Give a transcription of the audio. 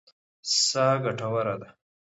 سا ګټوره ده.